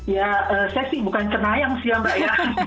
ya saya sih bukan kenayang sih ya mbak